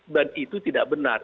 dan itu tidak benar